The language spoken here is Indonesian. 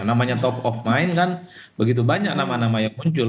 namanya top of mind kan begitu banyak nama nama yang muncul